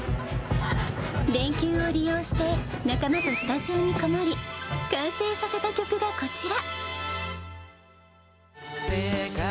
連休を利用して仲間とスタジオに籠り、完成させた曲がこちら。